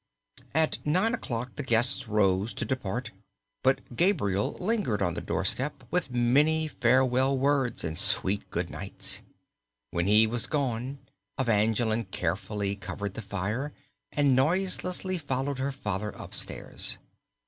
At nine o'clock the guests rose to depart, but Gabriel lingered on the doorstep with many farewell words and sweet good nights. When he was gone Evangeline carefully covered the fire and noiselessly followed her father up stairs.